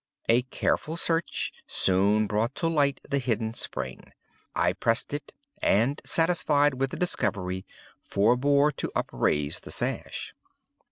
A careful search soon brought to light the hidden spring. I pressed it, and, satisfied with the discovery, forbore to upraise the sash.